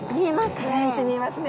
輝いて見えますね。